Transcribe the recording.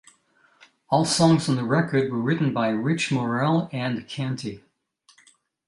All songs on the record were written by Rich Morel and Canty.